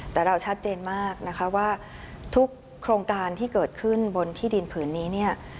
แต่เราชัดเจนมากนะคะว่าทุกโครงการที่เกิดขึ้นบนที่ดินผืนนี้เนี่ย